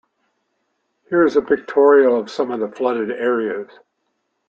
Here is a pictorial of some of the flooded areas.